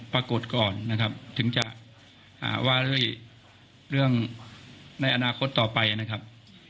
ปรากฏก่อนนะครับถึงจะว่าด้วยเรื่องในอนาคตต่อไปนะครับ